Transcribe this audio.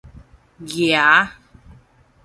夯